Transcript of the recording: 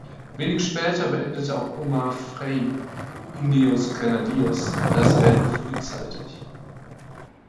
Wenig später beendete auch Omar Fraile (Ineos Grenadiers) das Rennen frühzeitig.